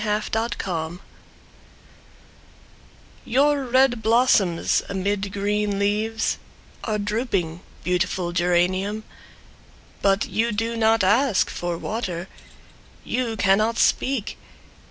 Mabel Osborne Your red blossoms amid green leaves Are drooping, beautiful geranium! But you do not ask for water. You cannot speak!